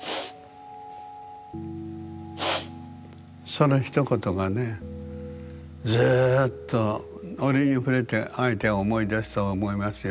そのひと言がねずっと折に触れて相手は思い出すと思いますよ